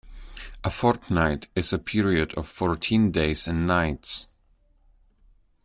A fortnight is a period of fourteen days and nights